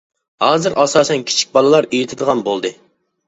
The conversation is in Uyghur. ھازىر ئاساسەن كىچىك بالىلار ئېيتىدىغان بولدى.